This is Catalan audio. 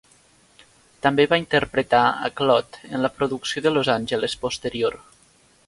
També va interpretar a Claude en la producció de Los Angeles posterior.